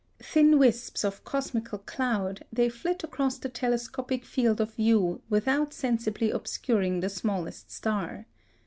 Thin wisps of cosmical cloud, they flit across the telescopic field of view without sensibly obscuring the smallest star.